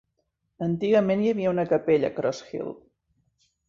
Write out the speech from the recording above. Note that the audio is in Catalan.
Antigament hi havia una capella a Cross Hill.